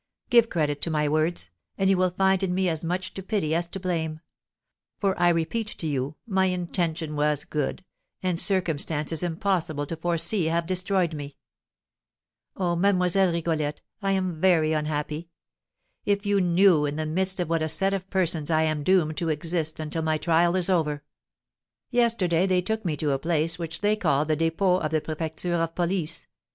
Give credit to my words, and you will find in me as much to pity as to blame; for, I repeat to you, my intention was good, and circumstances impossible to foresee have destroyed me. Oh, Mlle. Rigolette, I am very unhappy! If you knew in the midst of what a set of persons I am doomed to exist until my trial is over! Yesterday they took me to a place which they call the dépôt of the prefecture of police.